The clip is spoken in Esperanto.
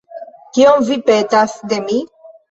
Kion vi petas de mi?